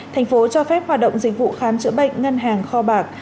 thành phố cho phép hoạt động dịch vụ khám chữa bệnh ngân hàng kho bạc